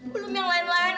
belum yang lain lain